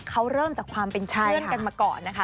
เขาเริ่มจากความเป็นเพื่อนกันมาก่อนนะคะ